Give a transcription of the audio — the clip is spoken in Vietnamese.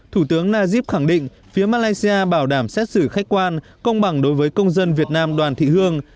thủ tướng najib khẳng định phía malaysia bảo đảm xét xử khách quan công bằng đối với công dân việt nam đoàn thị hương